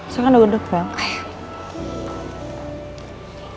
siakan duduk bu